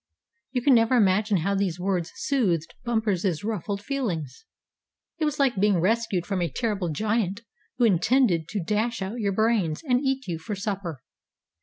You can never imagine how these words soothed Bumper's ruffled feelings. It was like being rescued from a terrible giant who intended to dash out your brains and eat you for supper.